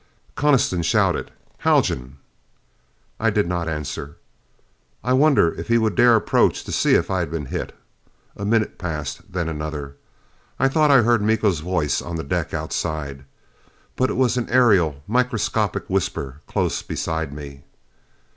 Coniston shouted, "Haljan!" I did not answer. I wonder if he would dare approach to see if I had been hit. A minute passed. Then another. I thought I heard Miko's voice on the deck outside. But it was an aerial, microscopic whisper close beside me.